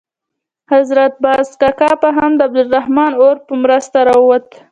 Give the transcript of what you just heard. حضرت باز کاکا به هم د عبدالرحمن اور په مرسته راووت.